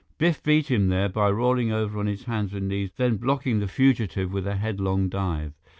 Biff beat him there, by rolling over on his hands and knees, then blocking the fugitive with a headlong dive.